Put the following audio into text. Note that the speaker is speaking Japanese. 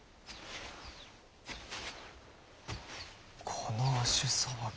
この足さばき。